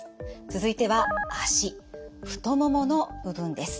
続いては脚太ももの部分です。